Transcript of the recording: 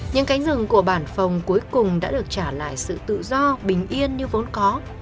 những cánh rừng của bản phòng cuối cùng đã được trả lại sự tự do bình yên như vốn có